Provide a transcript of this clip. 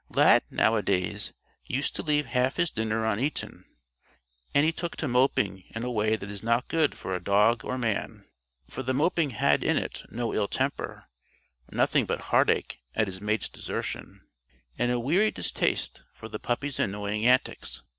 Lad, nowadays, used to leave half his dinner uneaten, and he took to moping in a way that is not good for dog or man. For the moping had in it no ill temper nothing but heartache at his mate's desertion, and a weary distaste for the puppy's annoying antics.